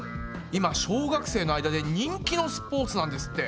今小学生の間で人気のスポーツなんですって。